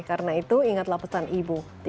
karena itu ingatlah pesan ibu